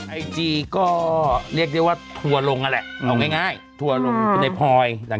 ไอจีก็เรียกว่าถั่วลงอ่ะแหละเอาง่ายถั่วลงในพลอยหลัง